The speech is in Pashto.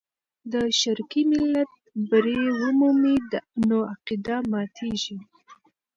که شرقي ملت بری ومومي، نو عقیده ماتېږي.